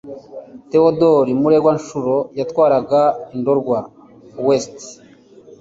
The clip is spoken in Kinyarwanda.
teodori muregancuro yatwaraga ndorwa i ouest